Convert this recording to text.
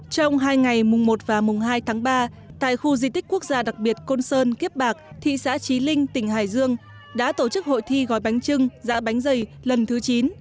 trong hai ngày mùng một và mùng hai tháng ba tại khu di tích quốc gia đặc biệt côn sơn kiếp bạc thị xã trí linh tỉnh hải dương đã tổ chức hội thi gói bánh trưng dạ bánh dày lần thứ chín